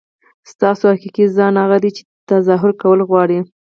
ستاسو حقیقي ځان هغه دی چې تظاهر کول غواړي.